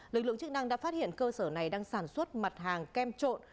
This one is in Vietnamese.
lực lượng chức năng đã phát hiện cơ sở này đang sản xuất mặt hàng kem trộn